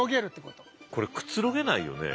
これくつろげないよね。